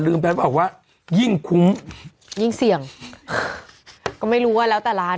ไปเปล่าว่ายิ่งคุ้มยิ่งเสี่ยงก็ไม่รู้ว่าแล้วแต่ร้าน